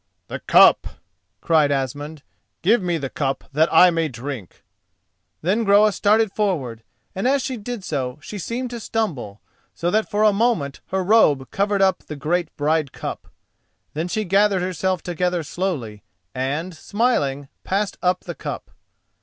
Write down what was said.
"The cup," cried Asmund—"give me the cup that I may drink." Then Groa started forward, and as she did so she seemed to stumble, so that for a moment her robe covered up the great bride cup. Then she gathered herself together slowly, and, smiling, passed up the cup.